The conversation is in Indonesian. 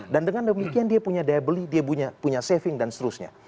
dan dengan demikian dia punya daya beli dia punya saving dan seterusnya